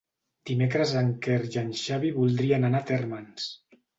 Dimecres en Quer i en Xavi voldrien anar a Térmens.